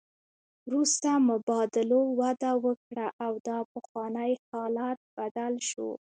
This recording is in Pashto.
وروسته مبادلو وده وکړه او دا پخوانی حالت بدل شو